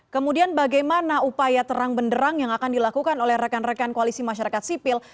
kemudian bagaimana upaya terang benderang yang akan dilakukan oleh rekan rekan koalisi masyarakat sipil